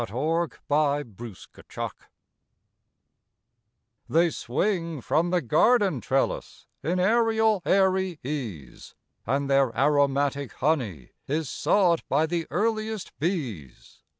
THE MORNING GLORIES They swing from the garden trellis In Ariel airy ease; And their aromatic honey Is sought by the earliest bees.